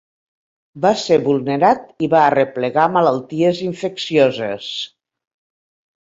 Va ser vulnerat i va arreplegar malalties infeccioses.